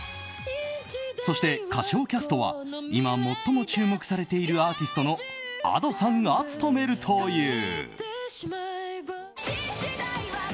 そして歌唱キャストは、今最も注目されているアーティストのＡｄｏさんが務めるという。